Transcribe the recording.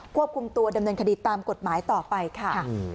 ควบคุมตัวดำเนินคดีตามกฎหมายต่อไปค่ะ